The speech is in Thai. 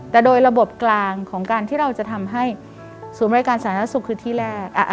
แต่โดยระบบกลางของการที่เราจะทำให้ศูนย์บริการสาธารณสุขคือที่แรก